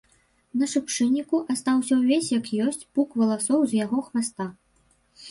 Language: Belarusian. На шыпшынніку астаўся ўвесь як ёсць пук валасоў з яго хваста.